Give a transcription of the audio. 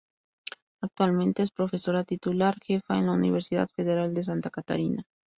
Actualmente es profesora titular jefa, en la Universidad Federal de Santa Catarina.